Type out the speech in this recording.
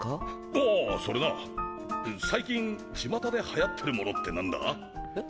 ああそれな最近巷で流行ってるものって何だ？え？